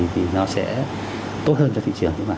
thì nó sẽ tốt hơn cho thị trường chứ mà